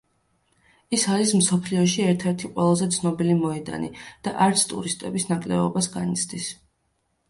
ის არის მსოფლიოში ერთ-ერთი ყველაზე ცნობილი მოედანი და არც ტურისტების ნაკლებობას განიცდის.